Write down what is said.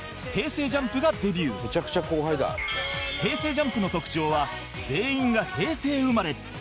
ＪＵＭＰ の特徴は全員が平成生まれ